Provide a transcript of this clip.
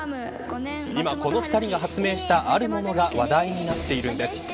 今、この２人が発明したあるものが話題になっているんです。